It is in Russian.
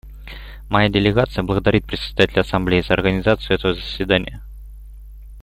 Моя делегация благодарит Председателя Ассамблеи за организацию этого заседания.